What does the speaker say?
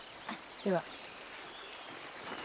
では。